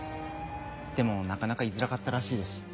でもなかなか居づらかったらしいです。